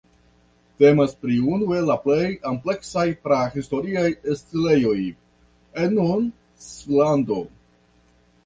Temas pri unu el la plej ampleksaj prahistoriaj setlejoj en nun Svislando.